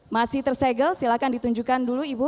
masih tersegel silahkan ditunjukkan dulu ibu